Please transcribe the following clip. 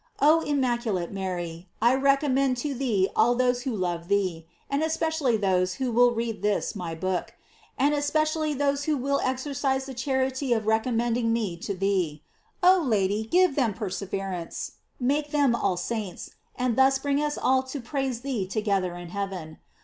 Oh immaculate Mary, I recommend to thee all those who love thee, and especially those who will read this my book; and most especially those who will exercise the charity of recom mending me to thee; oh Lady, give them persever GLORIES OF MARY. 675 ance, make them all saints, and thus bring us all to praise thee together in heaven.